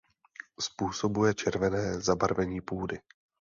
Způsobuje červené zabarvení půdy.